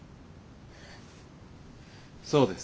そうです。